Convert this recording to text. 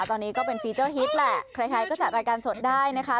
ตอนนี้ก็เป็นฟีเจอร์ฮิตแหละใครก็จัดรายการสดได้นะคะ